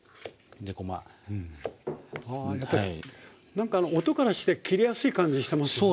何かあの音からして切れやすい感じしてますよね。